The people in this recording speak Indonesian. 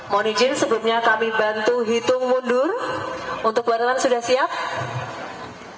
muli jin sebelumnya kami bantu hitung mundur untuk warna warna sudah siap